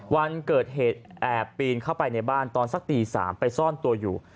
วันเกิดเหตุแอบปีนเข้าไปในบ้านตอนสักตี๓ไปซ่อนตัวอยู่